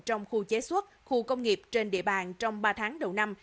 trong khu chế xuất khu công nghiệp trên địa bàn trong ba tháng đầu năm